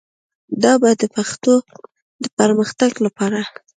دا به د پښتو د پرمختګ لپاره